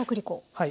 はい。